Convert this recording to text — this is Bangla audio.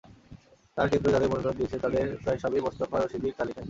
তবে কেন্দ্র যাঁদের মনোনয়ন দিয়েছে, তাঁদের প্রায় সবই মোস্তফা রশিদীর তালিকার।